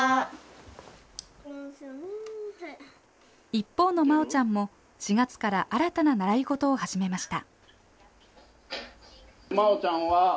一方のまおちゃんも４月から新たな習い事を始めました。